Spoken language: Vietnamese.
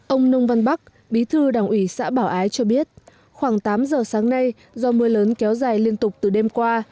ông nông văn bắc bí thư đảng ủy xã bảo ái cho biết khoảng tám giờ sáng nay do mưa lớn kéo dài liên tục từ đêm qua